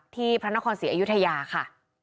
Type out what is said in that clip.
พระนครศรีอยุธยาค่ะ